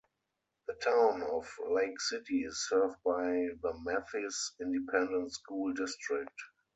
The Town of Lake City is served by the Mathis Independent School District.